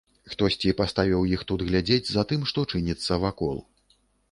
Хтосьці паставіў іх тут глядзець за тым, што чыніцца вакол.